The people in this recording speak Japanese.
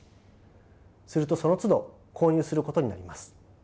するとそのつど購入することになります。